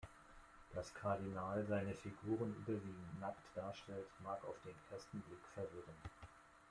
Dass Kardinal seine Figuren überwiegend nackt darstellt, mag auf den ersten Blick verwirrend wirken.